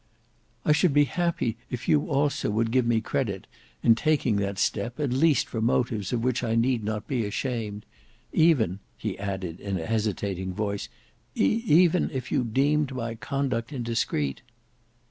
"I should be happy if you also would give me credit, in taking that step, at least for motives of which I need not be ashamed; even," he added in a hesitating voice, "even if you deemed my conduct indiscreet."